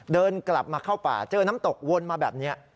เดินกลับมาเข้าป่าเจอน้ำตกวนมาแบบนี้